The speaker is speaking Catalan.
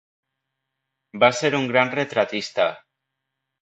Va ser un gran retratista.